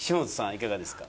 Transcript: いかがですか？